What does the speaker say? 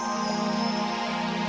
jangan won jangan